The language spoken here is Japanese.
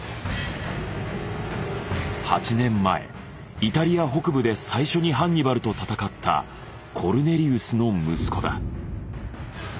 ８年前イタリア北部で最初にハンニバルと戦ったコルネリウスの息子だ。